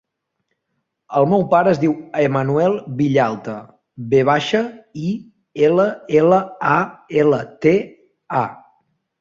El meu pare es diu Emanuel Villalta: ve baixa, i, ela, ela, a, ela, te, a.